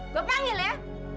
gue panggil ya